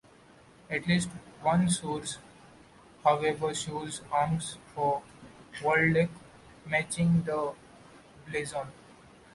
At least one source, however, shows arms for Waldeck matching the blazon.